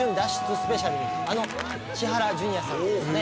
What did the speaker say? スペシャルにあの千原ジュニアさんとですね